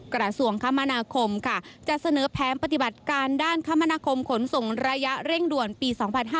กระทรวงคมนาคมค่ะจะเสนอแผนปฏิบัติการด้านคมนาคมขนส่งระยะเร่งด่วนปี๒๕๕๙